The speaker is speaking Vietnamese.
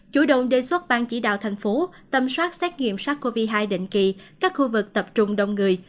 chủ động đề xuất bang chỉ đạo thành phố tâm soát xét nghiệm sars cov hai định kỳ các khu vực tập trung đông người